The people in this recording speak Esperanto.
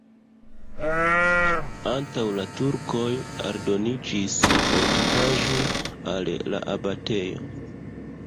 Antaŭ la turkoj aldoniĝis fortikaĵo al la abatejo.